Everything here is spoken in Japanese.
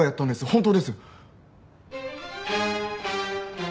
本当です。